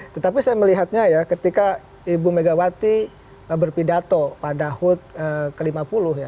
tetapi saya melihatnya ya ketika ibu megawati berpidato pada hut ke lima puluh ya